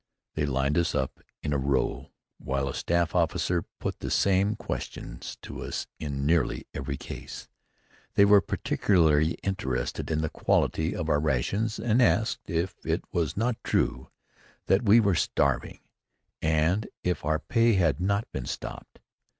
They lined us up in a row while a staff officer put the same questions to us in nearly every case. They were particularly interested in the quality of our rations and asked if it was not true that we were starving and if our pay had not been stopped.